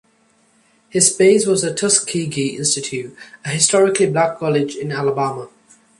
His base was the Tuskegee Institute, a historically black college in Alabama.